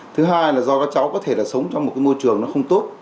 thứ hai là do các cháu có thể là sống trong một cái môi trường nó không tốt